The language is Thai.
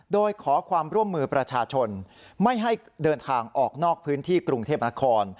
โดยขอความร่วมมือประชาชนไม่ให้เดินทางออกนอกพื้นที่กรุงเทพนคร